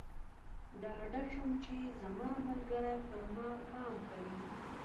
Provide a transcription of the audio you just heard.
ډاډه شم چې زما ملګری پر ما پام کوي.